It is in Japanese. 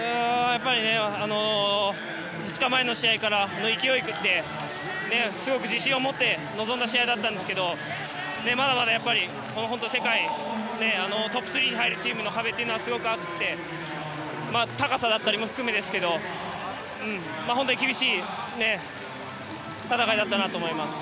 ２日前の試合から勢いで自信を持って臨んだ試合だったんですがまだまだ世界でトップ３に入るチームの壁というのはすごく厚くて高さだったりも含めてですが本当に厳しい戦いだったと思います。